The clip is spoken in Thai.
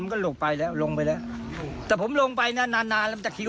มันก็ลงไปแล้วลงไปแล้วแต่ผมลงไปน่ะนานนานมันจะคิว